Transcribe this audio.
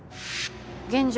現状